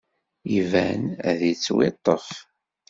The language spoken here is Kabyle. Iban ad yettwiṭṭef.